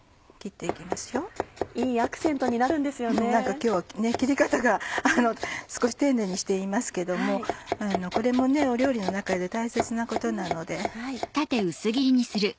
今日は切り方が少し丁寧にしていますけどもこれも料理の中で大切なことなので。